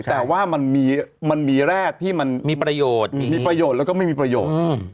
แต่ว่ามันมีแร่ที่มันมีประโยชน์แล้วก็ไม่มีประโยชน์